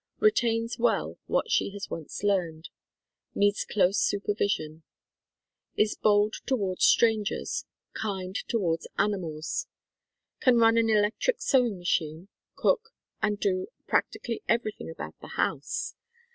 Retains well what she has once learned. Needs close supervision. Is bold towards strangers, kind towards animals. Can run an electric sewing ma chine, cook, and do practically everything about the house.